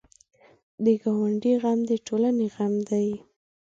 د ګاونډي غم د ټولنې غم دی